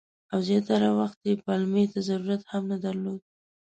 او زیاتره وخت یې پلمې ته ضرورت هم نه درلود.